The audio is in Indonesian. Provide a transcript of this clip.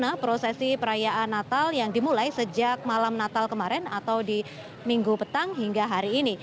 bagaimana prosesi perayaan natal yang dimulai sejak malam natal kemarin atau di minggu petang hingga hari ini